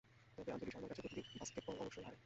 তবে আঞ্জলির সার্মার কাছে প্রতিদিন বাস্কেটবল অবশ্যই হারে।